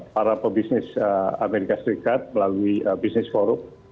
pelabur bisnis amerika serikat melalui bisnis forum